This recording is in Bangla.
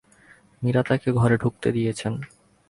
মীরা তাঁকে ঘরে ঢুকতে দিয়েছেন।